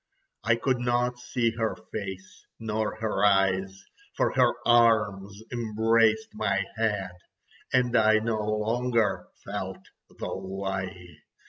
I could not see her face, nor her eyes, for her arms embraced my head—and I no longer felt the lie.